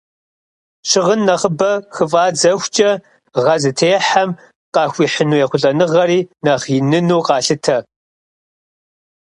Щыгъын нэхъыбэ хыфӀадзэхукӀэ, гъэ зытехьам къахуихьыну ехъулӀэныгъэри нэхъ иныну къалъытэ.